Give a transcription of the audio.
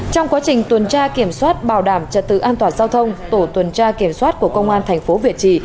trong quá trình tuần tra kiểm soát bảo đảm trật tự an toàn giao thông tổ tuần tra kiểm soát của công an thành phố việt trì